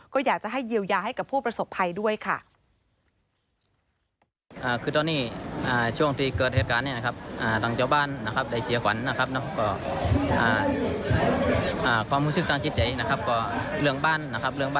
ก็อยากจะให้เยียวยาให้กับผู้ประสบภัยด้วยค่ะ